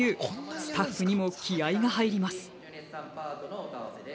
スタッフにも気合いが入ります。